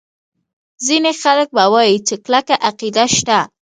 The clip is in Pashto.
ځیني خلک به ووایي چې کلکه عقیده شته.